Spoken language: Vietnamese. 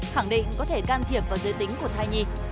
khẳng định có thể can thiệp vào giới tính của thai nhi